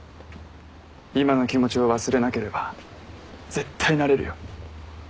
今の気持ちを忘れなければ絶対なれるよ。